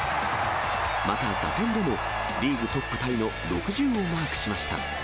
また打点でもリーグトップタイの６０をマークしました。